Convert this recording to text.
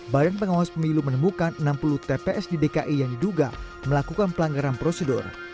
badan pengawas pemilu menemukan enam puluh tps di dki yang diduga melakukan pelanggaran prosedur